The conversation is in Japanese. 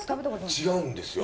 違うんですよ。